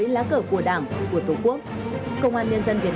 gương mẫu đi đầu dưới lá cờ của đảng của tổ quốc